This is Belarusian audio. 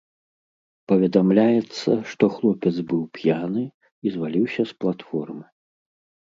Паведамляецца, што хлопец быў п'яны і зваліўся з платформы.